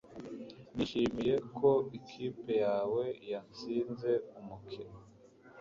Nishimiye ko ikipe yawe yatsinze umukino